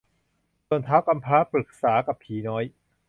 ส่วนท้าวกำพร้าปรึกษากับผีน้อย